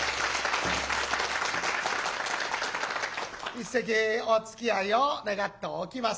一席おつきあいを願っておきます。